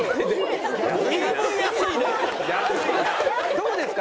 どこですか？